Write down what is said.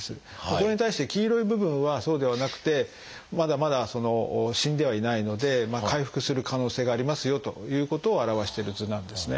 これに対して黄色い部分はそうではなくてまだまだその死んではいないので回復する可能性がありますよということを表してる図なんですね。